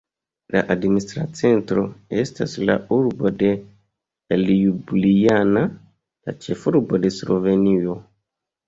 La administra centro estas la urbo de Ljubljana, la ĉefurbo de Slovenujo.